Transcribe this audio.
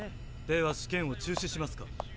では試験を中止しますか？